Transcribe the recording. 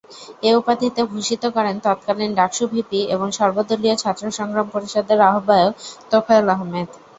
এ উপাধিতে ভূষিত করেন তৎকালীন ডাকসু ভিপি এবং সর্বদলীয় ছাত্র সংগ্রাম পরিষদের আহ্বায়ক তোফায়েল আহমেদ।